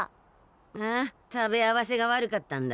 ああ食べ合わせが悪かったんだ。